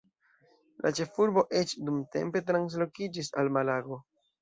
La ĉefurbo eĉ dumtempe translokiĝis al Malago.